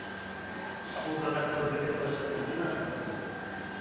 بۇ پەقەت تور بېكەت باشلىقلىرى ئۈچۈنلا ئەسقاتىدۇ.